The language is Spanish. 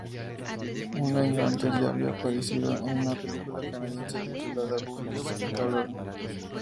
Un año antes ya había aparecido en una película canadiense titulada: "Bubbles Galore".